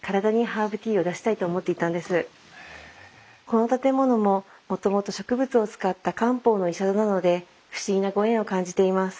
この建物ももともと植物を使った漢方の医者殿なので不思議なご縁を感じています。